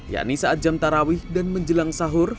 yakni saat jam tarawih dan menjelang sahur